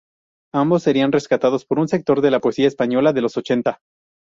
Ambos serían rescatados por un sector de la poesía española de los ochenta.